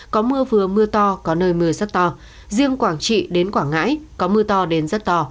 có mưa vừa mưa to có nơi mưa rất to riêng quảng trị đến quảng ngãi có mưa to đến rất to